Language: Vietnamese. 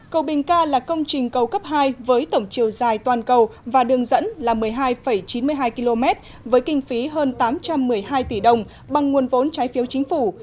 cầu bình ca là công trình cầu cấp hai với tổng chiều dài toàn cầu và đường dẫn là một mươi hai chín mươi hai km với kinh phí hơn tám trăm một mươi hai tỷ đồng bằng nguồn vốn trái phiếu chính phủ